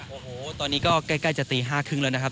โอ้โหตอนนี้ก็ใกล้จะตีห้าครึ่งแล้วนะครับ